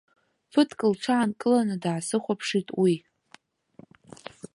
Ԥыҭк лҽаанкыланы, даасыхәаԥшит уи.